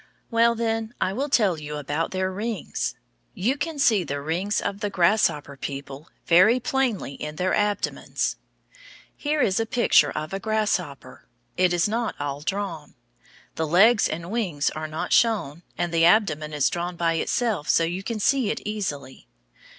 Well, then, I will tell you about their rings. You can see the rings of the grasshopper people very plainly in their abdomens. Here is a picture of a grasshopper. It is not all drawn. The legs and wings are not shown, and the abdomen is drawn by itself so you can see it easily.